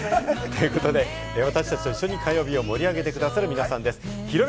私達と一緒に火曜日を盛り上げて下さる皆さんです。